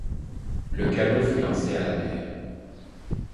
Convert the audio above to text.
Le canot fut lancé à la mer.